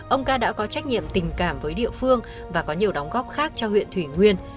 ông ca đã có trách nhiệm tình cảm với địa phương và có nhiều đóng góp khác cho huyện thủy nguyên